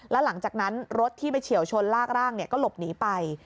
แล้วหลังจากนั้นรถที่ไปเฉียวชนลากร่างก็หลบหนีไป